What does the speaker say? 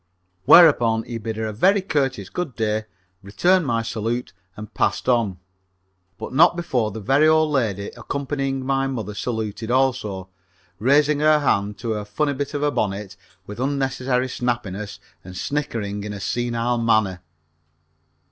Whereupon he bid her a very courteous good day, returned my salute, and passed on, but not before the very old lady accompanying my mother saluted also, raising her hand to her funny bit of a bonnet with unnecessary snappiness and snickering in a senile manner.